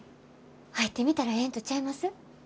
入ってみたらええんとちゃいます？